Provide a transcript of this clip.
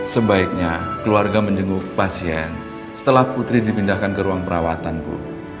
sebaiknya keluarga menjenguk pasien setelah putri dipindahkan ke ruang perawatan bu